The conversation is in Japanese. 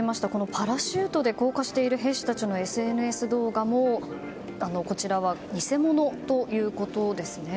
パラシュートで降下している兵士たちのＳＮＳ動画もこちらは偽物ということですね。